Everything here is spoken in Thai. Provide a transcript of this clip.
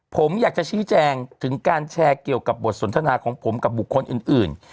ผมอยากจะชี้แจงถึงการแชร์เกี่ยวกับบทสนทนาของผมกับบุคคลอื่น